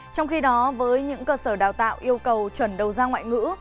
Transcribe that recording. trong khi đó với những cơ sở đào tạo yêu cầu chuẩn đầu ra ngoại ngữ